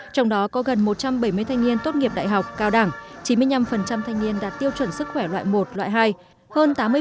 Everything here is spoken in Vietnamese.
trong đó có gần một trăm bảy mươi thanh niên tốt nghiệp đại học cao đẳng chín mươi năm thanh niên đạt tiêu chuẩn sức khỏe loại một loại hai